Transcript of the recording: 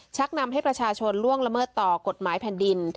ชักนำให้ประชาชนล่วงละเมิดต่อกฎหมายแผ่นดิน